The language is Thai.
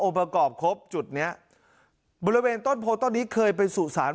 ประกอบครบจุดเนี้ยบริเวณต้นโพต้นนี้เคยไปสู่สาร